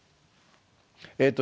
えっと